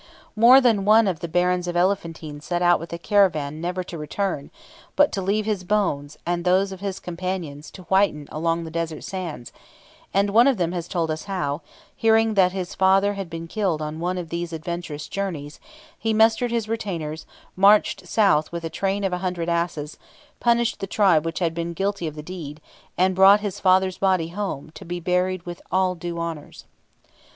More than one of the barons of Elephantine set out with a caravan never to return, but to leave his bones, and those of his companions, to whiten among the desert sands; and one of them has told us how, hearing that his father had been killed on one of these adventurous journeys, he mustered his retainers, marched south with a train of a hundred asses, punished the tribe which had been guilty of the deed, and brought his father's body home, to be buried with all due honours.